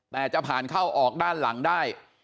แต่จะผ่านเข้าออกด้านหลังได้